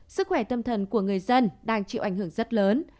sức khỏe tâm thần của người dân đang chịu ảnh hưởng rất lớn